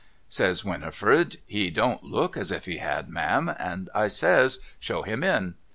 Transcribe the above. ' Says Winifred ' He don't look as if he had ma'am.' And I says ' Show him in.'